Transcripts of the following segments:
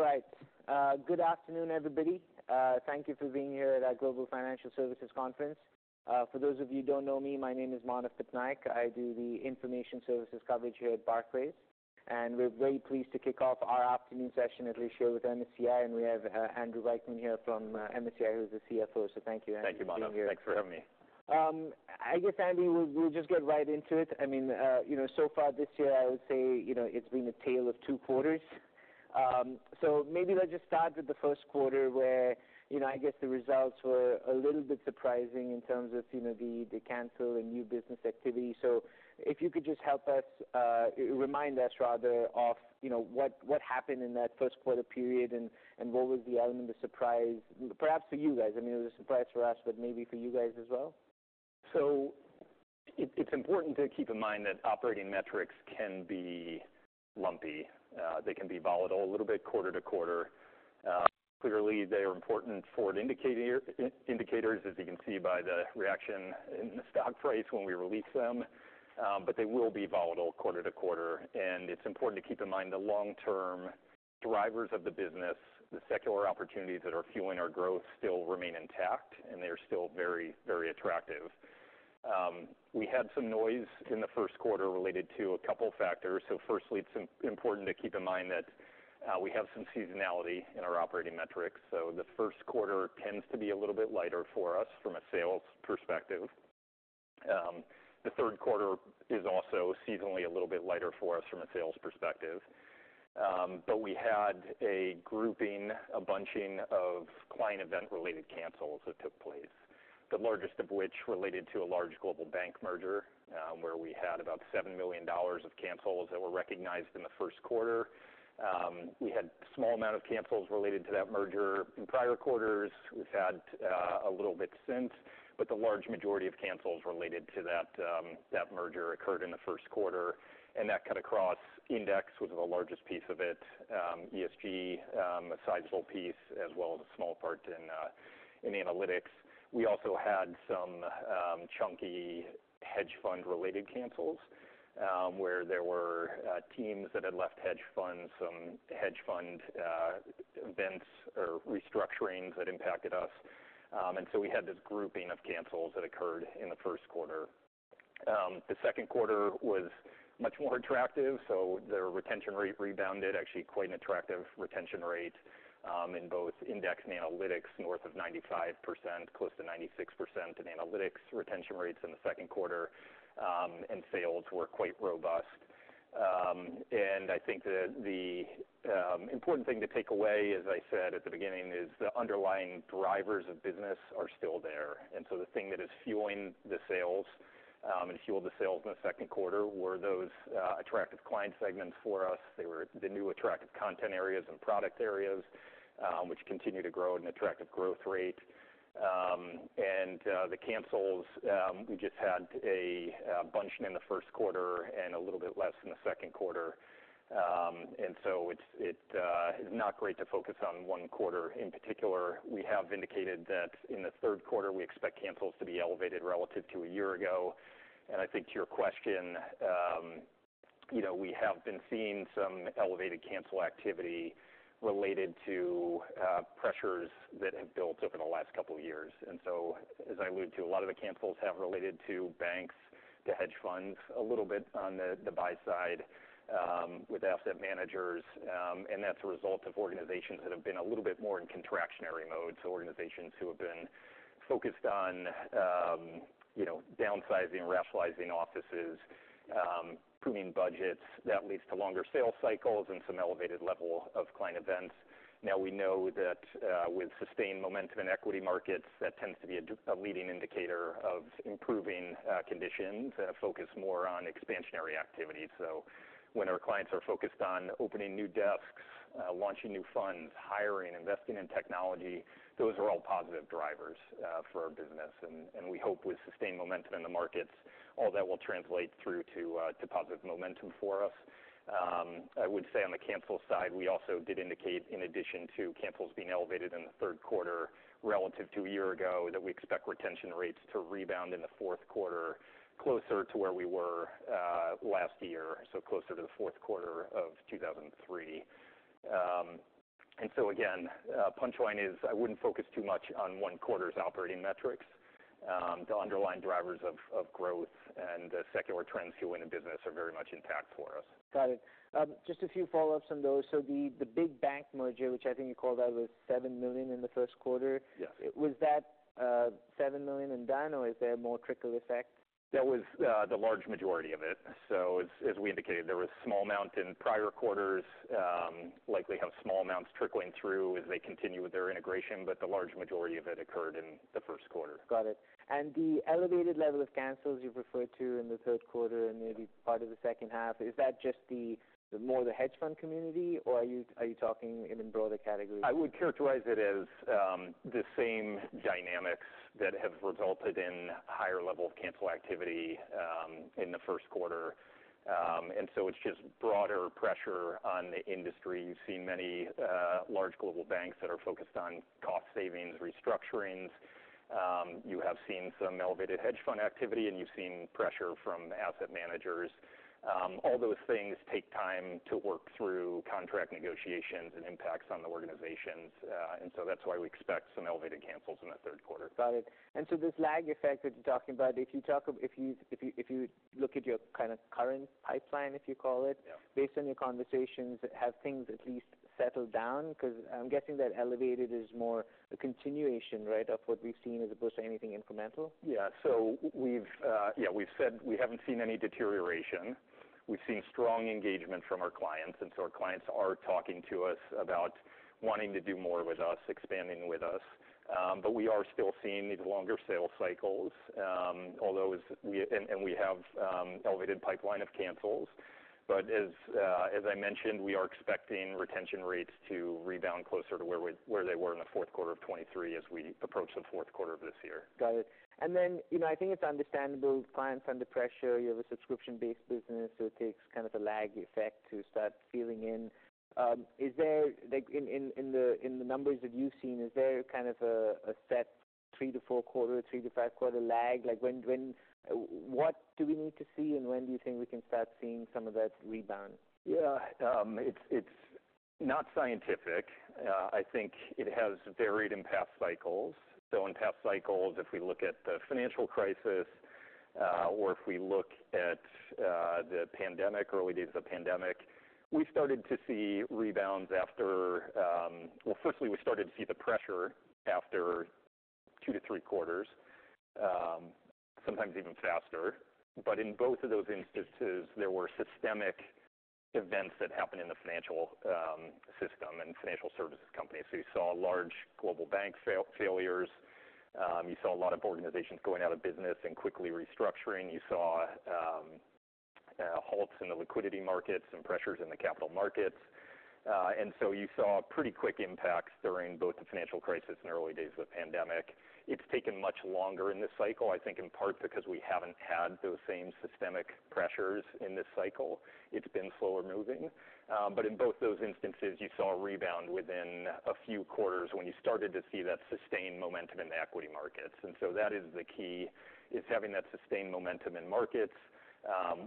All right. Good afternoon, everybody. Thank you for being here at our Global Financial Services Conference. For those of you who don't know me, my name is Manav Patnaik. I do the information services coverage here at Barclays, and we're very pleased to kick-off our afternoon session, at least here with MSCI, and we have Andrew Wiechmann here from MSCI, who's the CFO. So thank you, Andrew, for being here. Thank you, Manav. Thanks for having me. I guess, Andy, we'll just get right into it. I mean, you know, so far this year, I would say, you know, it's been a tale of two quarters. So maybe let's just start with the first quarter where, you know, I guess the results were a little bit surprising in terms of, you know, the cancel and new business activity. So if you could just help us, remind us rather of, you know, what happened in that first quarter period, and what was the element of surprise, perhaps for you guys? I mean, it was a surprise for us, but maybe for you guys as well. So it's important to keep in mind that operating metrics can be lumpy. They can be volatile, a little bit quarter-to-quarter. Clearly, they are important forward indicators, as you can see by the reaction in the stock price when we release them. But they will be volatile quarter-to-quarter, and it's important to keep in mind the long-term drivers of the business, the secular opportunities that are fueling our growth, still remain intact, and they are still very, very attractive. We had some noise in the first quarter related to a couple factors. So firstly, it's important to keep in mind that we have some seasonality in our operating metrics, so the first quarter tends to be a little bit lighter for us from a sales perspective. The third quarter is also seasonally a little bit lighter for us from a sales perspective. But we had a grouping, a bunching of client event-related cancels that took place, the largest of which related to a large global bank merger, where we had about $7 million of cancels that were recognized in the first quarter. We had a small amount of cancels related to that merger in prior quarters. We've had a little bit since, but the large majority of cancels related to that merger occurred in the first quarter, and that cut across Index, was the largest piece of it, ESG, a sizable piece, as well as a small part in Analytics. We also had some chunky hedge fund-related cancels, where there were teams that had left hedge funds, some hedge fund events or restructurings that impacted us. And so we had this grouping of cancels that occurred in the first quarter. The second quarter was much more attractive, so the retention rate rebounded, actually quite an attractive retention rate, in both Index and Analytics, north of 95%, close to 96% in Analytics. Retention rates in the second quarter and sales were quite robust. And I think that the important thing to take away, as I said at the beginning, is the underlying drivers of business are still there. So the thing that is fueling the sales and fueled the sales in the second quarter were those attractive client segments for us. They were the new attractive content areas and product areas, which continue to grow at an attractive growth rate, and the cancels, we just had a bunch in the first quarter and a little bit less in the second quarter, and so it is not great to focus on one quarter in particular. We have indicated that in the third quarter, we expect cancels to be elevated relative to a year ago, and I think to your question, you know, we have been seeing some elevated cancel activity related to pressures that have built over the last couple of years. And so, as I allude to, a lot of the cancels have related to banks, to hedge funds, a little bit on the buy-side with asset managers, and that's a result of organizations that have been a little bit more in contractionary mode, so organizations who have been focused on, you know, downsizing, rationalizing offices, pruning budgets. That leads to longer sales cycles and some elevated level of client events. Now, we know that, with sustained momentum in equity markets, that tends to be a leading indicator of improving conditions, focus more on expansionary activity, so when our clients are focused on opening new desks, launching new funds, hiring, investing in technology, those are all positive drivers for our business. We hope with sustained momentum in the markets, all that will translate through to positive momentum for us. I would say on the cancel side, we also did indicate, in addition to cancels being elevated in the third quarter relative to a year ago, that we expect retention rates to rebound in the fourth quarter, closer to where we were last year, so closer to the fourth quarter of 2023. So again, the punchline is, I wouldn't focus too much on one quarter's operating metrics. The underlying drivers of growth and the secular trends fueling the business are very much intact for us. Got it. Just a few follow-ups on those. So the big bank merger, which I think you called out, was $7 million in the first quarter? Yes. Was that $7 million and done, or is there more trickle effect? That was the large majority of it. So as we indicated, there was small amount in prior quarters, likely have small amounts trickling through as they continue with their integration, but the large majority of it occurred in the first quarter. Got it. And the elevated level of cancels you referred to in the third quarter, and maybe part of the second half, is that just the more the hedge fund community, or are you talking in a broader category? I would characterize it as, the same dynamics that have resulted in higher level of cancellation activity, in the first quarter. And so it's just broader pressure on the industry. You've seen many, large global banks that are focused on cost savings, restructurings. You have seen some elevated hedge fund activity, and you've seen pressure from asset managers. All those things take time to work through contract negotiations and impacts on the organizations. And so that's why we expect some elevated cancellations in the third quarter. Got it. And so this lag effect that you're talking about, if you look at your kind of current pipeline, if you call it. Yeah Based on your conversations, have things at least settled down? 'Cause I'm guessing that elevated is more a continuation, right, of what we've seen, as opposed to anything incremental. Yeah. So we've said we haven't seen any deterioration. We've seen strong engagement from our clients, and so our clients are talking to us about wanting to do more with us, expanding with us. But we are still seeing these longer sales cycles, although and we have elevated pipeline of cancels. But as I mentioned, we are expecting retention rates to rebound closer to where we, where they were in the fourth quarter of 2023 as we approach the fourth quarter of this year. Got it. And then, you know, I think it's understandable, clients under pressure, you have a subscription-based business, so it takes kind of a lag effect to start feeling in. Is there, like, in the numbers that you've seen, is there kind of a set three- to four-quarter, or three- to five-quarter lag? Like, when—what do we need to see, and when do you think we can start seeing some of that rebound? Yeah, it's not scientific. I think it has varied in past cycles. In past cycles, if we look at the financial crisis or if we look at the pandemic, early days of the pandemic, we started to see rebounds after. Well, firstly, we started to see the pressure after two to three quarters, sometimes even faster. But in both of those instances, there were systemic events that happened in the financial system and financial services companies. You saw large global bank failures. You saw a lot of organizations going out of business and quickly restructuring. You saw halts in the liquidity markets and pressures in the capital markets. And so you saw pretty quick impacts during both the financial crisis and early days of the pandemic. It's taken much longer in this cycle, I think, in part because we haven't had those same systemic pressures in this cycle. It's been slower moving, but in both those instances, you saw a rebound within a few quarters when you started to see that sustained momentum in the equity markets. And so that is the key, is having that sustained momentum in markets,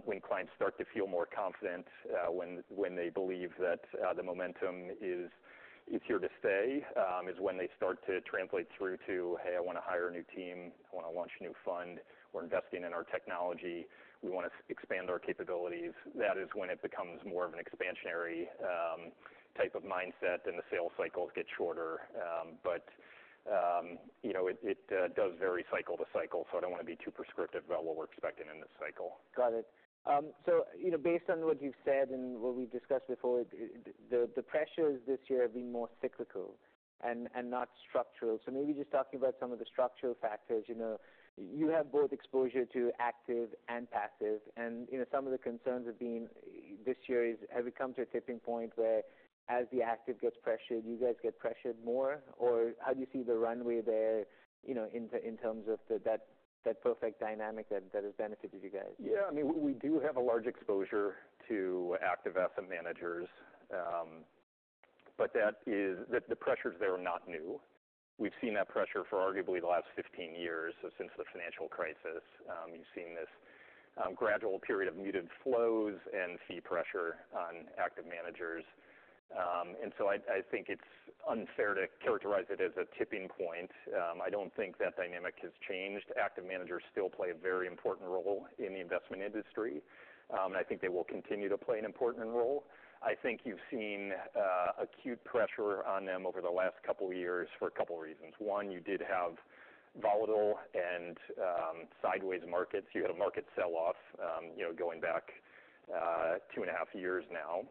when clients start to feel more confident, when they believe that the momentum is here to stay, is when they start to translate through to, "Hey, I want to hire a new team. I want to launch a new fund. We're investing in our technology. We want to expand our capabilities." That is when it becomes more of an expansionary, type of mindset, and the sales cycles get shorter. But you know, it does vary cycle-to-cycle, so I don't want to be too prescriptive about what we're expecting in this cycle. Got it. So, you know, based on what you've said and what we've discussed before, the pressures this year have been more cyclical and not structural. So maybe just talking about some of the structural factors. You know, you have both exposure to active and passive, and, you know, some of the concerns have been, this year, have we come to a tipping point where as the active gets pressured, you guys get pressured more? Or how do you see the runway there, you know, in terms of that perfect dynamic that has benefited you guys? Yeah. I mean, we do have a large exposure to active asset managers. But that is the pressures there are not new. We've seen that pressure for arguably the last fifteen years, so since the financial crisis. You've seen this gradual period of muted flows and fee pressure on active managers. And so I think it's unfair to characterize it as a tipping point. I don't think that dynamic has changed. Active managers still play a very important role in the investment industry, and I think they will continue to play an important role. I think you've seen acute pressure on them over the last couple of years for a couple reasons. One, you did have volatile and sideways markets. You had a market sell-off, you know, going back two and a half years now.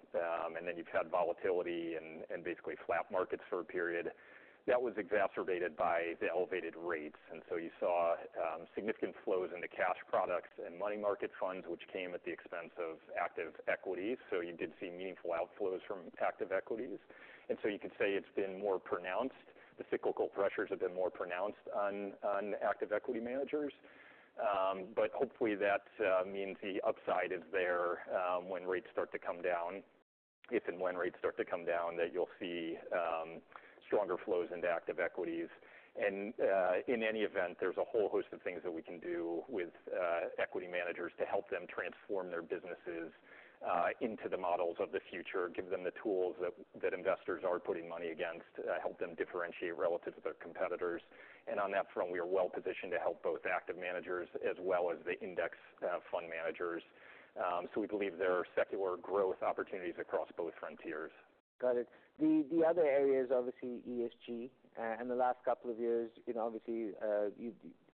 And then you've had volatility and basically flat markets for a period. That was exacerbated by the elevated rates, and so you saw significant flows into cash products and money market funds, which came at the expense of active equities. So you did see meaningful outflows from active equities. And so you could say it's been more pronounced. The cyclical pressures have been more pronounced on active equity managers. But hopefully, that means the upside is there when rates start to come down. If and when rates start to come down, that you'll see stronger flows into active equities. And, in any event, there's a whole host of things that we can do with equity managers to help them transform their businesses into the models of the future, give them the tools that investors are putting money against, help them differentiate relative to their competitors. And on that front, we are well-positioned to help both active managers as well as the index fund managers. So we believe there are secular growth opportunities across both frontiers. Got it. The other area is obviously ESG. In the last couple of years, you know, obviously,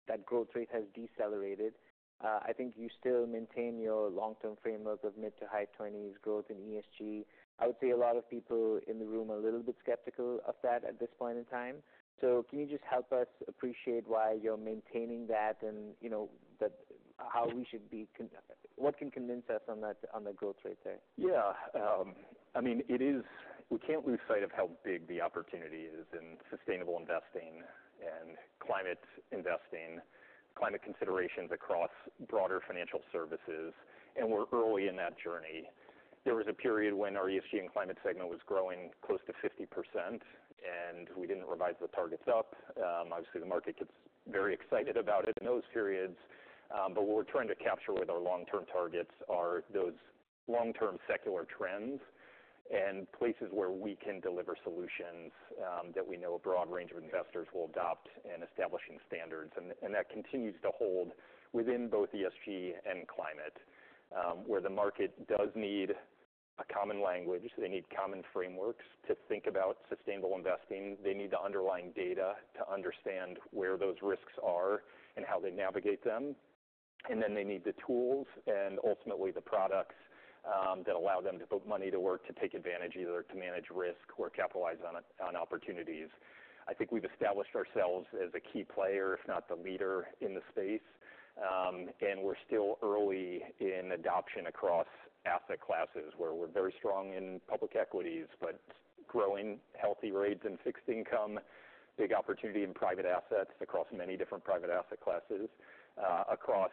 that growth rate has decelerated. I think you still maintain your long-term framework of mid to high twenties growth in ESG. I would say a lot of people in the room are a little bit skeptical of that at this point in time. So can you just help us appreciate why you're maintaining that? And, you know, that how we should be, what can convince us on that, on the growth rate there? Yeah. I mean, we can't lose sight of how big the opportunity is in sustainable investing and climate investing, climate considerations across broader financial services, and we're early in that journey. There was a period ESG and Climate segment was growing close to 50%, and we didn't revise the targets up. Obviously, the market gets very excited about it in those periods. But what we're trying to capture with our long-term targets are those long-term secular trends and places where we can deliver solutions, that we know a broad range of investors will adopt in establishing standards. And that continues to hold ESG and Climate, where the market does need a common language. They need common frameworks to think about sustainable investing. They need the underlying data to understand where those risks are and how they navigate them, and then they need the tools and ultimately the products that allow them to put money to work, to take advantage, either to manage risk or capitalize on opportunities. I think we've established ourselves as a key player, if not the leader, in the space, and we're still early in adoption across asset classes, where we're very strong in public equities, but growing healthy rates in fixed income, big private assets across many private asset classes, across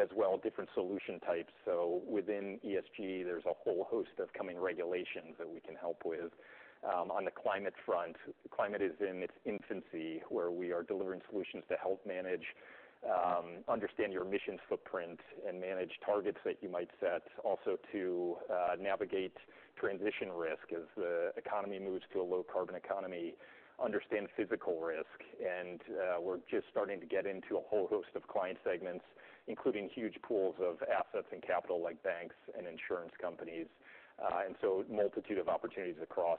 as well different solution types, so within ESG, there's a whole host of coming regulations that we can help with. On the Climate front, climate is in its infancy, where we are delivering solutions to help manage, understand your emissions footprint and manage targets that you might set. Also to navigate transition risk as the economy moves to a low-carbon economy, understand physical risk. And we're just starting to get into a whole host of client segments, including huge pools of assets and capital, like banks and insurance companies. And so multitude of opportunities across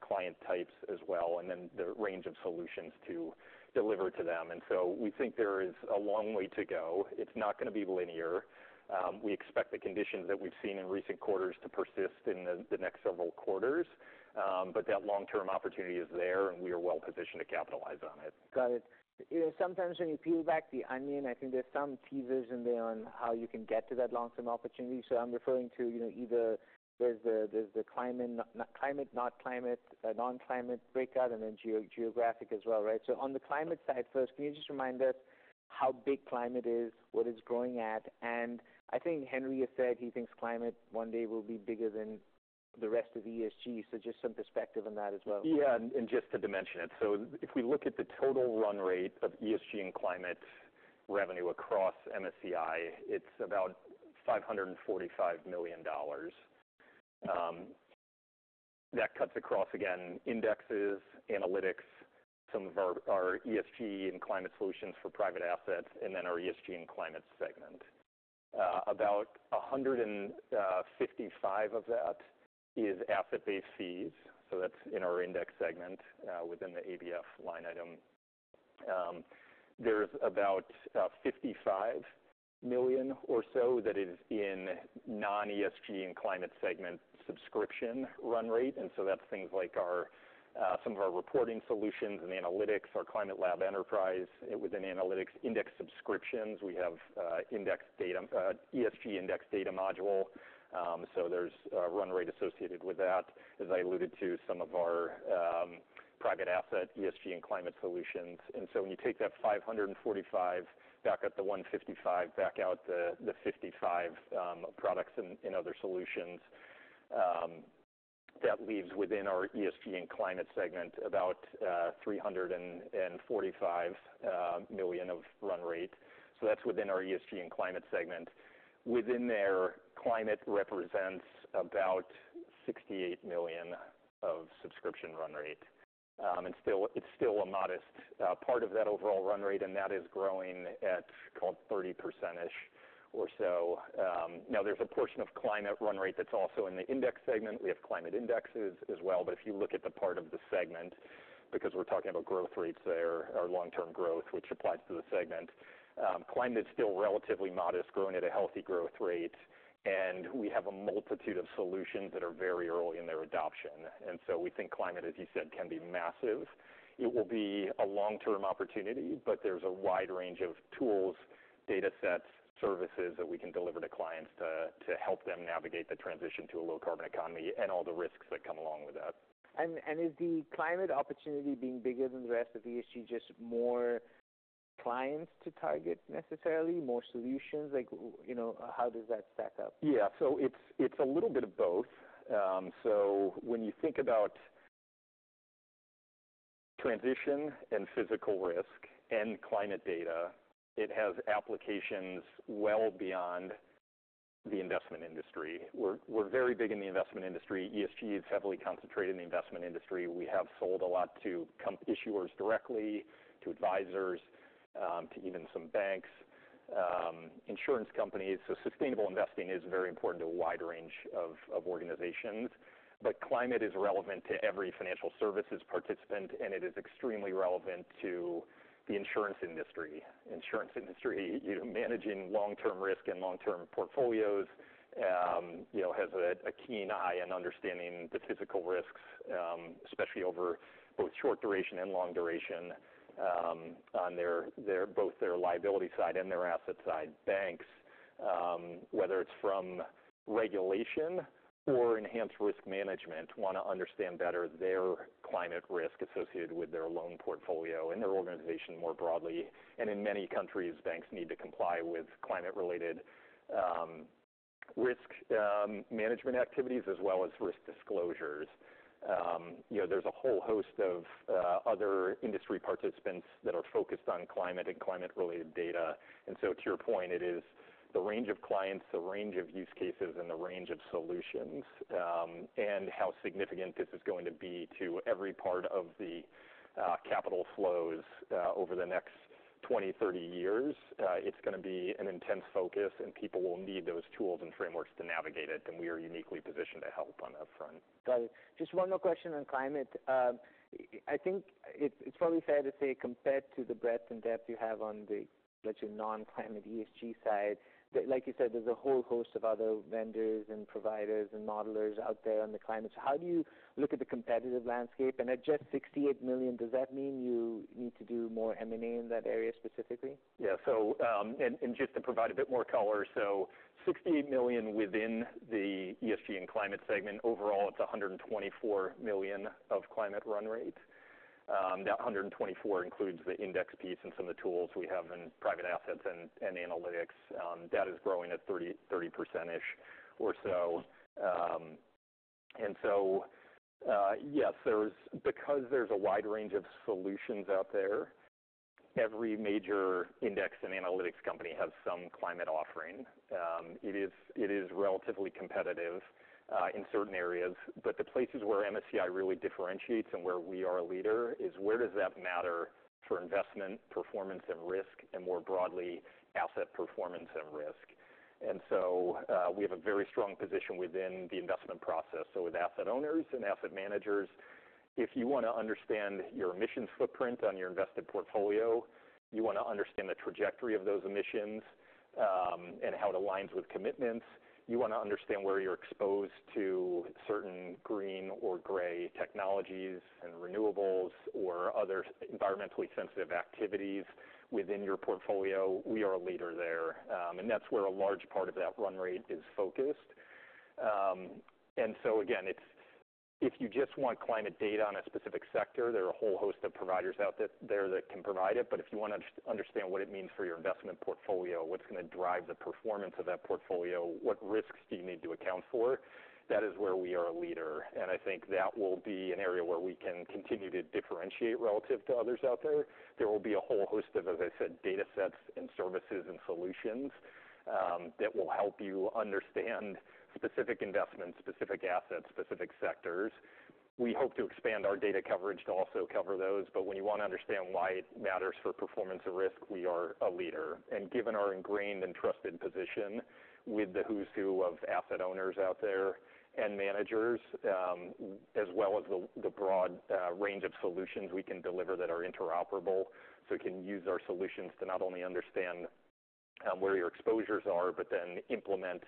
client types as well, and then the range of solutions to deliver to them. And so we think there is a long way to go. It's not gonna be linear. We expect the conditions that we've seen in recent quarters to persist in the next several quarters. But that long-term opportunity is there, and we are well positioned to capitalize on it. Got it. You know, sometimes when you peel back the onion, I think there's some teasers in there on how you can get to that long-term opportunity. So I'm referring to, you know, either there's the non-climate breakout and then geographic as well, right? So on the Climate side first, can you just remind us how big Climate is, what it's growing at? And I think Henry has said he thinks Climate one day will be bigger than the rest of ESG. So just some perspective on that as well. Yeah, and just to dimension it. If we look at the total run ESG and Climate revenue across MSCI, it's about $545 million. That cuts across, again, Indexes, Analytics, some ESG and Climate segment. about $155 of that is asset-based fees, so that's in our Index segment, within the ABF line item. There's about $55 million or so that non-ESG and Climate segment subscription run rate, and so that's things like our some of our reporting solutions and Analytics, our Climate Lab Enterprise, within Analytics Index subscriptions. We have Index data, ESG Index data module, so there's a run rate associated with that. As I alluded to, private asset ESG and Climate solutions. so when you take that $545, back out the $155, back out the $55, products and other solutions, that leaves ESG and Climate segment about $345 million of run rate. So that's ESG and Climate segment. within there, Climate represents about $68 million of subscription run rate. It's still a modest part of that overall run rate, and that is growing at call it 30%-ish or so. Now there's a portion of Climate run rate that's also in the Index segment. We have climate indexes as well. But if you look at the part of the segment, because we're talking about growth rates there, or long-term growth, which applies to the segment, Climate's still relatively modest, growing at a healthy growth rate, and we have a multitude of solutions that are very early in their adoption. And so we think Climate, as you said, can be massive. It will be a long-term opportunity, but there's a wide range of tools, data sets, services that we can deliver to clients to help them navigate the transition to a low-carbon economy and all the risks that come along with that. Is the Climate opportunity being bigger than the rest of ESG, just more clients to target necessarily, more solutions? Like, you know, how does that stack up? Yeah. So it's a little bit of both. So when you think about transition and physical risk and climate data, it has applications well beyond the investment industry. We're very big in the investment industry. ESG is heavily concentrated in the investment industry. We have sold a lot to companies, issuers directly, to advisors, to even some banks, insurance companies. So sustainable investing is very important to a wide range of organizations. But climate is relevant to every financial services participant, and it is extremely relevant to the insurance industry. Insurance industry, you know, managing long-term risk and long-term portfolios, you know, has a keen eye in understanding the physical risks, especially over both short duration and long duration, on their both their liability side and their asset side. Banks, whether it's from regulation or enhanced risk management, wanna understand better their climate risk associated with their loan portfolio and their organization more broadly. And in many countries, banks need to comply with climate-related, risk-management activities, as well as risk disclosures. You know, there's a whole host of, other industry participants that are focused on climate and climate-related data. And so to your point, it is the range of clients, the range of use cases, and the range of solutions, and how significant this is going to be to every part of the, capital flows, over the next twenty, thirty years, it's gonna be an intense focus, and people will need those tools and frameworks to navigate it, and we are uniquely positioned to help on that front. Got it. Just one more question on Climate. I think it's probably fair to say, compared to the breadth and depth you have on the, let's say, non-Climate ESG side, that like you said, there's a whole host of other vendors and providers and modelers out there on the Climate. So how do you look at the competitive landscape? And at just $68 million, does that mean you need to do more M&A in that area specifically? Yeah, so, and just to provide a bit more color, so $68 million ESG and Climate segment. overall, it's $124 million of Climate run rate. That $124 includes the index piece and some of the tools we have in private assets and analytics. That is growing at 30% ish or so. And so, yes, there's, because there's a wide range of solutions out there, every major index and analytics company has some climate offering. It is relatively competitive in certain areas, but the places where MSCI really differentiates and where we are a leader is where does that matter for investment, performance, and risk, and more broadly, asset performance and risk? And so, we have a very strong position within the investment process. So with asset owners and asset managers, if you wanna understand your emissions footprint on your invested portfolio, you wanna understand the trajectory of those emissions, and how it aligns with commitments. You wanna understand where you're exposed to certain green or gray technologies and renewables, or other environmentally-sensitive activities within your portfolio, we are a leader there, and that's where a large part of that run rate is focused. And so again, it's if you just want climate data on a specific sector, there are a whole host of providers out there that can provide it. But if you wanna understand what it means for your investment portfolio, what's gonna drive the performance of that portfolio? What risks do you need to account for? That is where we are a leader, and I think that will be an area where we can continue to differentiate relative to others out there. There will be a whole host of, as I said, data sets and services and solutions, that will help you understand specific investments, specific assets, specific sectors. We hope to expand our data coverage to also cover those, but when you wanna understand why it matters for performance and risk, we are a leader. And given our ingrained and trusted position with the who's who of asset owners out there, and managers, as well as the broad, range of solutions we can deliver that are interoperable. So you can use our solutions to not only understand where your exposures are, but then implement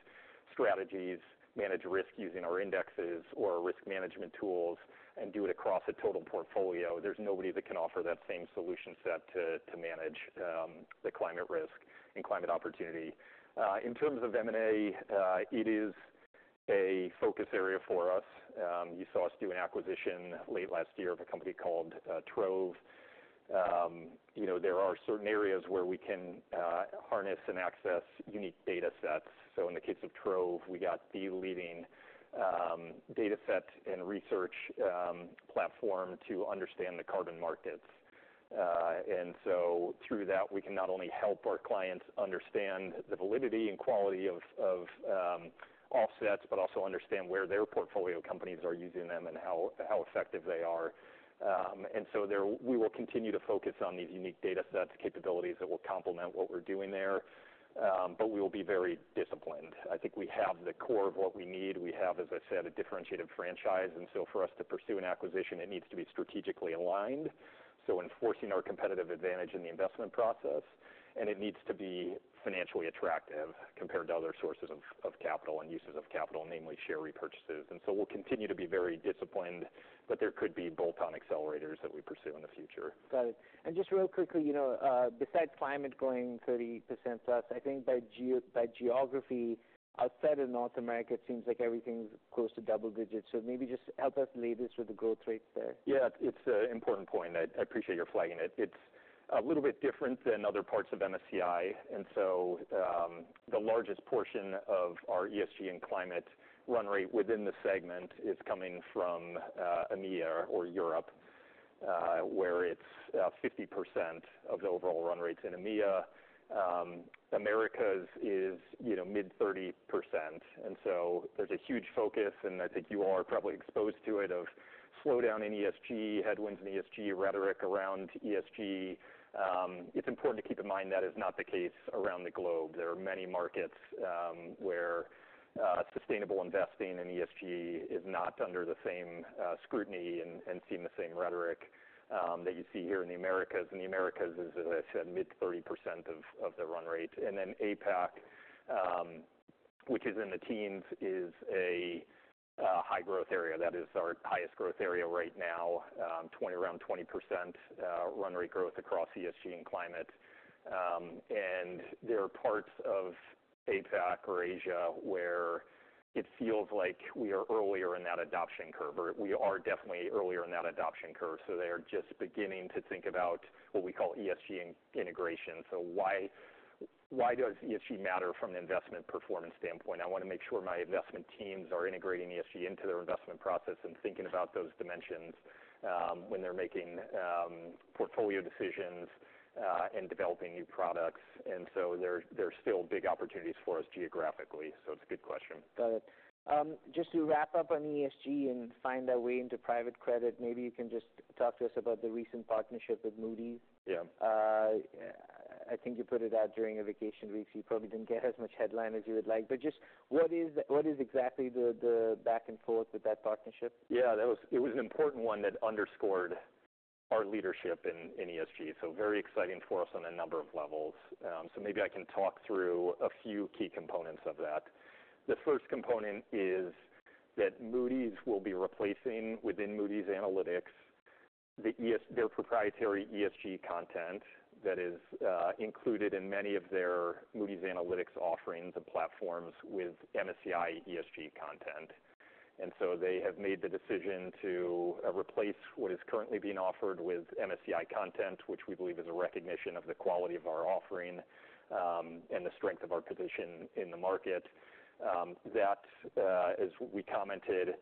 strategies, manage risk using our indexes or our risk-management tools, and do it across a total portfolio. There's nobody that can offer that same solution set to manage the climate risk and climate opportunity. In terms of M&A, it is a focus area for us. You saw us do an acquisition late last year of a company called Trove. You know, there are certain areas where we can harness and access unique data sets. So in the case of Trove, we got the leading data set and research platform to understand the carbon markets. And so through that, we can not only help our clients understand the validity and quality of offsets, but also understand where their portfolio companies are using them and how effective they are. And so there, we will continue to focus on these unique data sets, capabilities that will complement what we're doing there, but we will be very disciplined. I think we have the core of what we need. We have, as I said, a differentiated franchise, and so for us to pursue an acquisition, it needs to be strategically aligned, so enforcing our competitive advantage in the investment process, and it needs to be financially attractive compared to other sources of capital and uses of capital, namely share repurchases. And so we'll continue to be very disciplined, but there could be bolt-on accelerators that we pursue in the future. Got it. And just real quickly, you know, besides Climate going 30%+, I think by geography, outside of North America, it seems like everything's close to double-digits. So maybe just help us lead with the growth rates there. Yeah, it's a important point. I appreciate your flagging it. It's a little bit different than other parts of MSCI, and so, the largest portion ESG and Climate run rate within the segment is coming from, EMEA or Europe, where it's, 50% of the overall run rate's in EMEA. Americas is, you know, mid-30%, and so there's a huge focus, and I think you all are probably exposed to it, of slowdown in ESG, headwinds in ESG, rhetoric around ESG. It's important to keep in mind that is not the case around the globe. There are many markets, where, sustainable investing in ESG is not under the same, scrutiny and seeing the same rhetoric, that you see here in the Americas. In the Americas is, as I said, mid-30% of the run rate. Then APAC, which is in the teens, is a high-growth area. That is our highest growth area right now, around 20% run rate ESG and Climate. and there are parts of APAC or Asia, where it feels like we are earlier in that adoption curve, or we are definitely earlier in that adoption curve. So they are just beginning to think about what we call ESG integration. So why does ESG matter from an investment performance standpoint? I wanna make sure my investment teams are integrating ESG into their investment process and thinking about those dimensions, when they're making portfolio decisions, and developing new products. And so there are still big opportunities for us geographically. So it's a good question. Got it. Just to wrap up on ESG and find our way private credit, maybe you can just talk to us about the recent partnership with Moody's. Yeah. I think you put it out during a vacation week, so you probably didn't get as much headline as you would like, but just what is exactly the back and forth with that partnership? Yeah, that was an important one that underscored our leadership in ESG, so very exciting for us on a number of levels. So maybe I can talk through a few key components of that. The first component is that Moody's will be replacing, within Moody's Analytics, their proprietary ESG content that is included in many of their Moody's Analytics offerings and platforms with MSCI ESG content. And so they have made the decision to replace what is currently being offered with MSCI content, which we believe is a recognition of the quality of our offering and the strength of our position in the market. That, as we commented,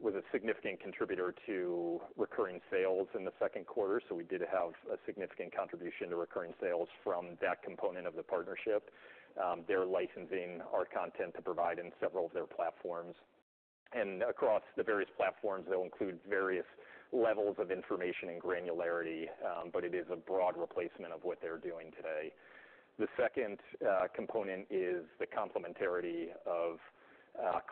was a significant contributor to recurring sales in the second quarter. So we did have a significant contribution to recurring sales from that component of the partnership. They're licensing our content to provide in several of their platforms, and across the various platforms, they'll include various levels of information and granularity, but it is a broad replacement of what they're doing today. The second component is the complementarity of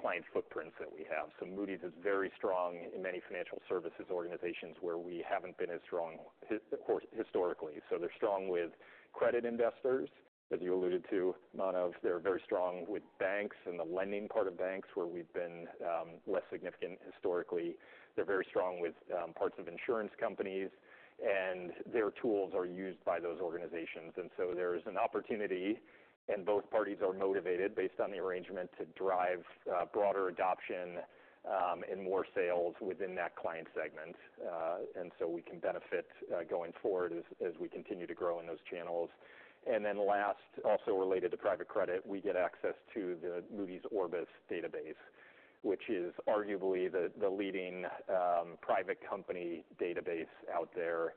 client footprints that we have. Moody's is very strong in many financial services organizations, where we haven't been as strong, of course, historically. They're strong with credit investors, as you alluded to, Manav. They're very strong with banks and the lending part of banks, where we've been less significant historically. They're very strong with parts of insurance companies, and their tools are used by those organizations. There is an opportunity, and both parties are motivated based on the arrangement, to drive broader adoption and more sales within that client segment. And so we can benefit going forward as we continue to grow in those channels. And then last, also related private credit, we get access to the Moody's Orbis database, which is arguably the leading private company database out there.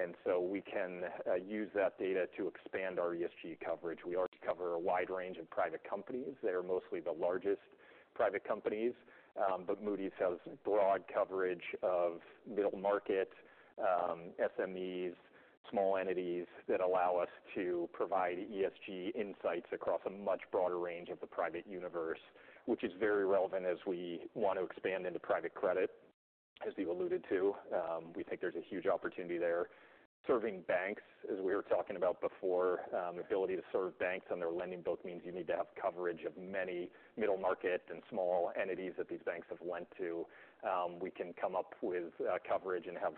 And so we can use that data to expand our ESG coverage. We already cover a wide range of private companies. They are mostly the largest private companies, but Moody's has broad coverage of middle-market SMEs, small entities that allow us to provide ESG insights across a much broader range of the private universe, which is very relevant as we want to expand private credit, as we've alluded to. We think there's a huge opportunity there. Serving banks, as we were talking about before, the ability to serve banks and their lending book means you need to have coverage of many middle market and small entities that these banks have lent to. We can come up with coverage and have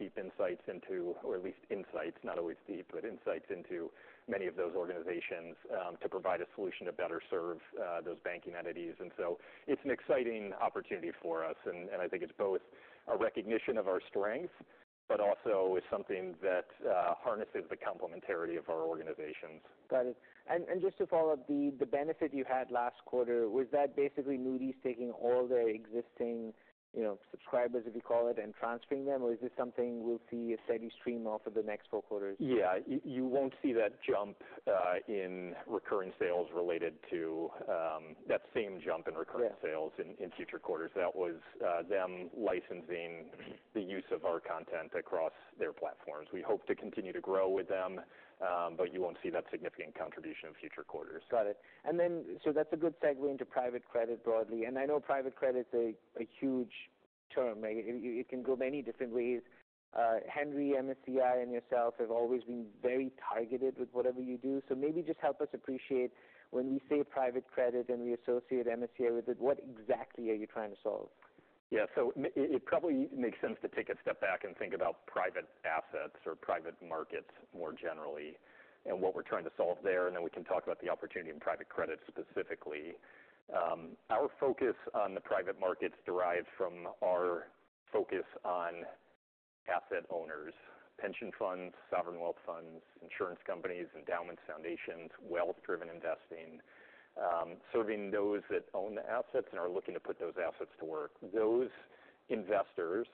deep insights into, or at least insights, not always deep, but insights into many of those organizations, to provide a solution to better serve those banking entities. So it's an exciting opportunity for us, and I think it's both a recognition of our strength, but also it's something that harnesses the complementarity of our organizations. Got it. And just to follow up, the benefit you had last quarter, was that basically Moody's taking all their existing, you know, subscribers, if you call it, and transferring them, or is this something we'll see a steady stream of for the next four quarters? Yeah. You won't see that jump in recurring sales related to that same jump in recurring. Yeah. Sales in future quarters. That was them licensing the use of our content across their platforms. We hope to continue to grow with them, but you won't see that significant contribution in future quarters. Got it. And then, so that's a good segue private credit broadly, and I private credit's a huge term. It can go many different ways. Henry, MSCI, and yourself have always been very targeted with whatever you do. So maybe just help us appreciate, when we private credit, and we associate MSCI with it, what exactly are you trying to solve? Yeah. So, it probably makes sense to take a step back and private assets or private markets more generally, and what we're trying to solve there, and then we can talk about the opportunity private credit specifically. Our focus on the private markets derives from our focus on asset owners, pension funds, sovereign wealth funds, insurance companies, endowments, foundations, wealth-driven investing, serving those that own the assets and are looking to put those assets to work. Those investors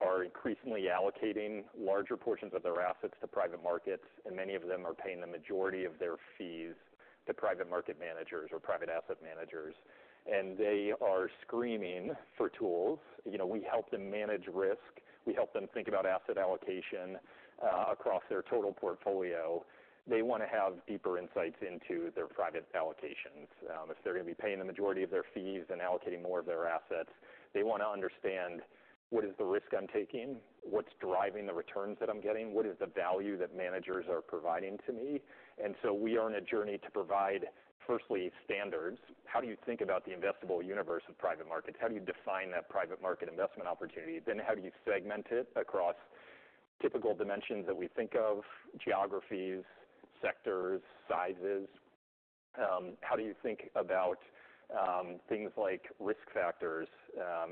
are increasingly allocating larger portions of their assets to private markets, and many of them are paying the majority of their fees to private market managers private asset managers, and they are screaming for tools. You know, we help them manage risk. We help them think about asset allocation across their total portfolio. They want to have deeper insights into their private allocations. If they're going to be paying the majority of their fees and allocating more of their assets, they want to understand, "What is the risk I'm taking? What's driving the returns that I'm getting? What is the value that managers are providing to me?" And so we are on a journey to provide, firstly, standards. How do you think about the investable universe of private markets? How do you define that private market investment opportunity? Then, how do you segment it across typical dimensions that we think of, geographies, sectors, sizes? How do you think about things like risk factors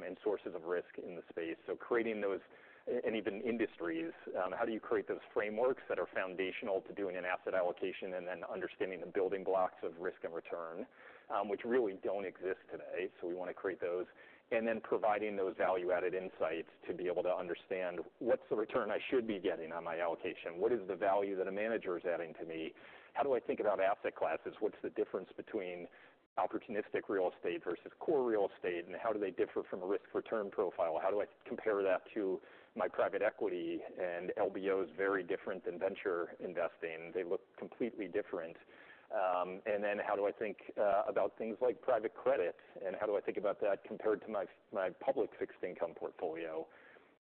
and sources of risk in the space? So creating those... And even industries, how do you create those frameworks that are foundational to doing an asset allocation and then understanding the building blocks of risk and return, which really don't exist today, so we want to create those. And then providing those value-added insights to be able to understand: What's the return I should be getting on my allocation? What is the value that a manager is adding to me? How do I think about asset classes? What's the difference between opportunistic real estate versus core real estate, and how do they differ from a risk-return profile? How do I compare that to my private equity and LBOs, very different than venture investing. They look completely different. And then how do I think about things private credit, and how do I think about that compared to my public fixed-income portfolio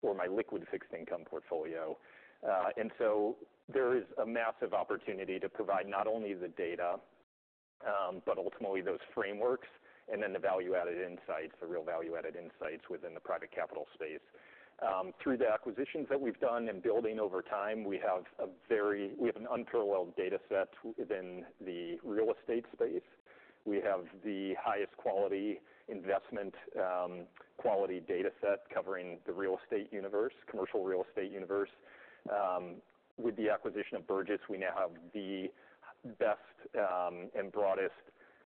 or my liquid fixed-income portfolio? And so there is a massive opportunity to provide not only the data, but ultimately those frameworks, and then the value-added insights, the real value-added insights within the private capital space. Through the acquisitions that we've done and building over time, we have an unparalleled data set within the real estate space. We have the highest quality investment quality data set covering the real estate universe, commercial real estate universe. With the acquisition of Burgiss, we now have the best and broadest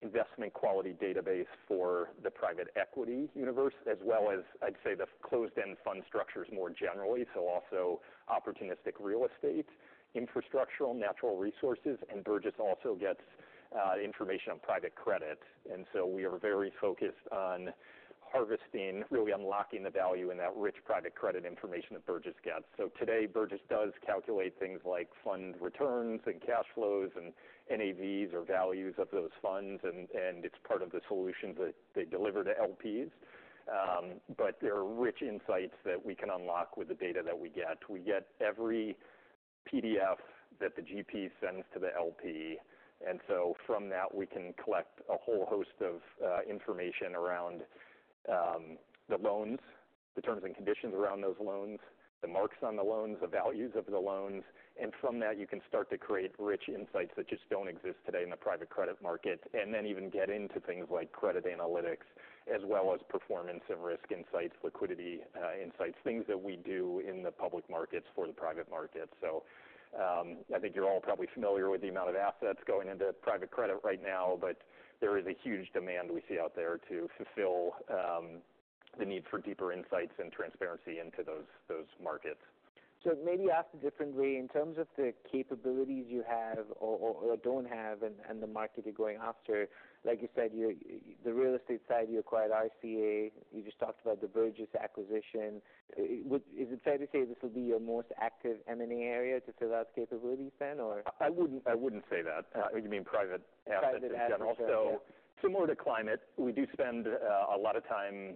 investment quality database for the private equity universe, as well as I'd say, the closed-end fund structures more generally, so also opportunistic real estate, infrastructure, natural resources, and Burgiss also gets information private credit. and so we are very focused on harvesting, really unlocking the value in that private credit information that Burgiss gets. So today, Burgiss does calculate things like fund returns and cash flows and NAVs or values of those funds, and it's part of the solution that they deliver to LPs. But there are rich insights that we can unlock with the data that we get. We get every PDF that the GP sends to the LP, and so from that, we can collect a whole host of information around the loans, the terms and conditions around those loans, the marks on the loans, the values of the loans, and from that, you can start to create rich insights that just don't exist today in private credit market, and then even get into things like credit analytics, as well as performance and risk insights, liquidity insights, things that we do in the public markets for the private market, so I think you're all probably familiar with the amount of assets going private credit right now, but there is a huge demand we see out there to fulfill the need for deeper insights and transparency into those markets. So, maybe ask it differently, in terms of the capabilities you have or don't have, and the market you're going after. Like you said, you, the real estate side, you acquired RCA, you just talked about the Burgiss acquisition. Is it fair to say this will be your most active M&A area to fill out capabilities then, or? I wouldn't say that. Okay. Private assets in general? Private assets, yeah. Similar to Climate, we do spend a lot of time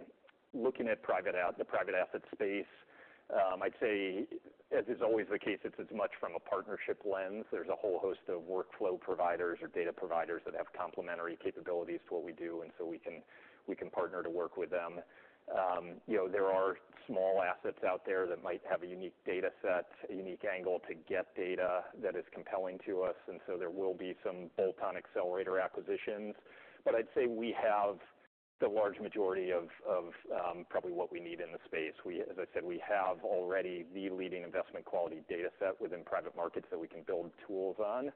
looking at private as private asset space. I'd say, as is always the case, it's as much from a partnership lens. There's a whole host of workflow providers or data providers that have complementary capabilities to what we do, and so we can partner to work with them. You know, there are small assets out there that might have a unique data set, a unique angle to get data that is compelling to us, and so there will be some bolt-on accelerator acquisitions. But I'd say we have the large majority of probably what we need in the space. We, as I said, have already the leading investment quality data set within private markets that we can build tools on.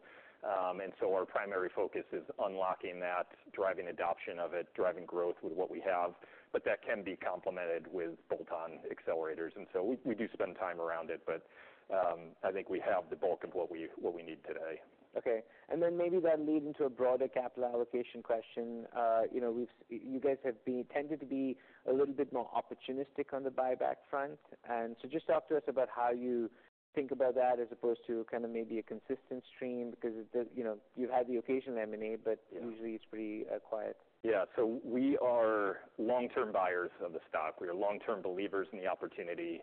And so our primary focus is unlocking that, driving adoption of it, driving growth with what we have. But that can be complemented with bolt-on accelerators, and so we do spend time around it, but I think we have the bulk of what we need today. Okay. And then maybe that leading to a broader capital-allocation question. You know, we've-- you guys have been, tended to be a little bit more opportunistic on the buyback front. And so just talk to us about how you think about that, as opposed to kind of maybe a consistent stream, because, you know, you've had the occasional M&A, but. Yeah. Usually it's pretty quiet. Yeah, so we are long-term buyers of the stock. We are long-term believers in the opportunity,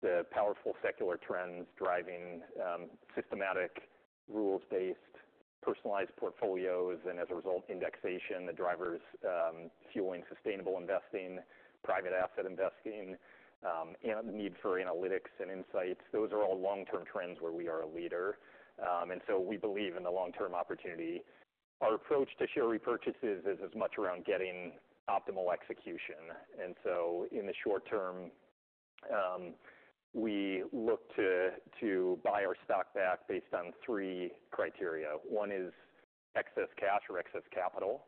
the powerful secular trends driving systematic, rules-based, personalized portfolios, and as a result, indexation, the drivers fueling sustainable private asset investing, and the need for analytics and insights. Those are all long-term trends where we are a leader, and so we believe in the long-term opportunity. Our approach to share repurchases is as much around getting optimal execution, and so in the short term, we look to buy our stock back based on three criteria. One is excess cash or excess capital,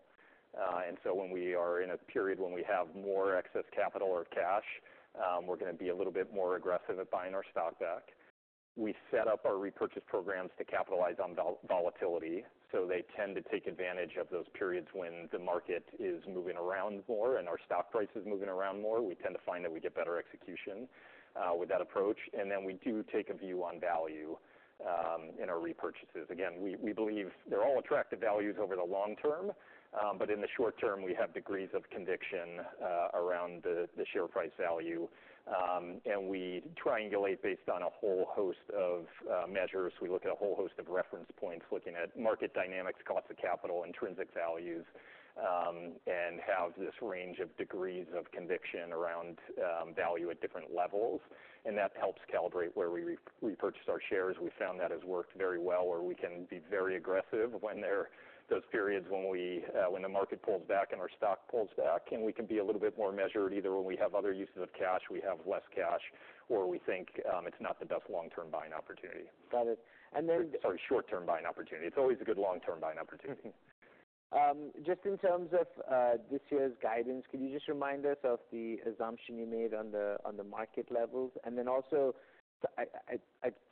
and so when we are in a period when we have more excess capital or cash, we're gonna be a little bit more aggressive at buying our stock back. We set up our repurchase programs to capitalize on volatility, so they tend to take advantage of those periods when the market is moving around more and our stock price is moving around more. We tend to find that we get better execution with that approach, and then we do take a view on value in our repurchases. Again, we believe they're all attractive values over the long term, but in the short term, we have degrees of conviction around the share price value, and we triangulate based on a whole host of measures. We look at a whole host of reference points, looking at market dynamics, costs of capital, intrinsic values, and have this range of degrees of conviction around value at different levels, and that helps calibrate where we repurchase our shares. We found that has worked very well, where we can be very aggressive when there are those periods, when the market pulls back and our stock pulls back, and we can be a little bit more measured, either when we have other uses of cash, we have less cash, or we think, it's not the best long-term buying opportunity. Got it. And then. Sorry, short-term buying opportunity. It's always a good long-term buying opportunity. Just in terms of this year's guidance, could you just remind us of the assumption you made on the market-levels? And then also,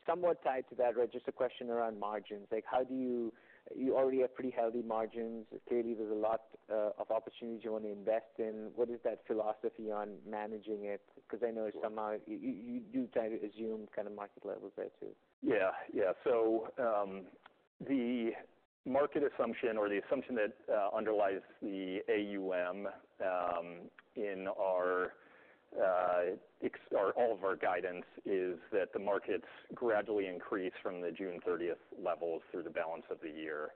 somewhat tied to that, right, just a question around margins. Like, how do you... You already have pretty healthy margins. Clearly, there's a lot of opportunities you want to invest in. What is that philosophy on managing it? Because I know somehow you kind of assume kind of market level there, too. Yeah. Yeah. So, the market assumption or the assumption that underlies the AUM in our or all of our guidance is that the markets gradually increase from the June thirtieth levels through the balance of the year.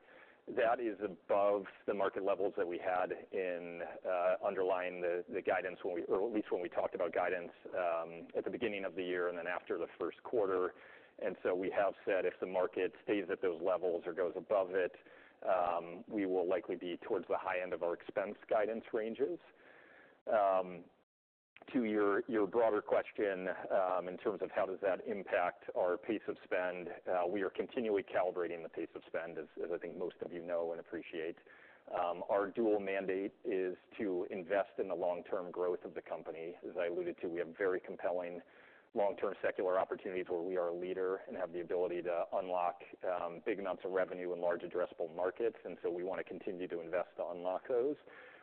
That is above the market levels that we had in underlying the, the guidance when we, or at least when we talked about guidance at the beginning of the year and then after the first quarter. And so we have said if the market stays at those levels or goes above it, we will likely be towards the high end of our expense guidance ranges. To your, your broader question, in terms of how does that impact our pace of spend, we are continually calibrating the pace of spend, as, as I think most of you know and appreciate. Our dual mandate is to invest in the long-term growth of the company. As I alluded to, we have very compelling long-term secular opportunities where we are a leader and have the ability to unlock, big amounts of revenue and large addressable markets. And so we wanna continue to invest to unlock those,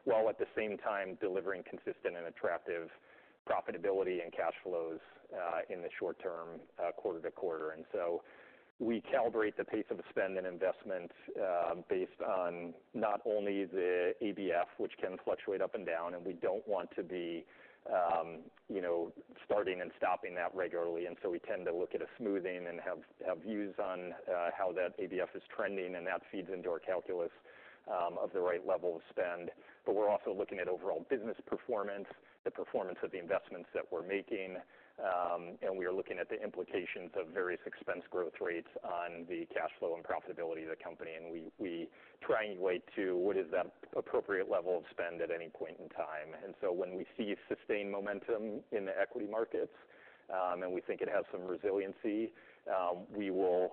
while at the same time, delivering consistent and attractive profitability and cash flows, in the short term, quarter-to-quarter. And so we calibrate the pace of the spend and investment, based on not only the ABF, which can fluctuate up and down, and we don't want to be, you know, starting and stopping that regularly. And so we tend to look at a smoothing and have views on, how that ABF is trending, and that feeds into our calculus, of the right level of spend. But we're also looking at overall business performance, the performance of the investments that we're making, and we are looking at the implications of various expense growth rates on the cash flow and profitability of the company. And we try and weigh to what is that appropriate level of spend at any point in time. And so when we see sustained momentum in the equity markets, and we think it has some resiliency, we will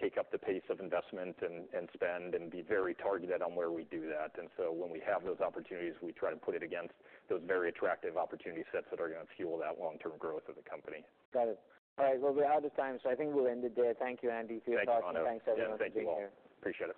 take up the pace of investment and spend and be very targeted on where we do that. And so when we have those opportunities, we try to put it against those very attractive opportunity sets that are gonna fuel that long-term growth of the company. Got it. All right, well, we're out of time, so I think we'll end it there. Thank you, Andy. Thanks, Manav. Thanks, everyone, for being here. Yeah, thank you all. Appreciate it.